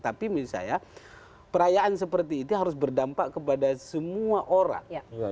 tapi menurut saya perayaan seperti itu harus berdampak kepada semua orang